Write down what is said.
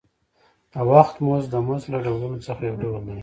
د وخت مزد د مزد له ډولونو څخه یو ډول دی